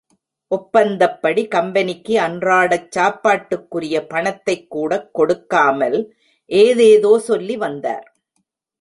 ஒப்பந்தப்படி கம்பெனிக்கு அன்றாடச் சாப்பாட்டுக்குரிய பணத்தைக் கூடக் கொடுக்காமல் ஏதேதோ சொல்லி வந்தார்.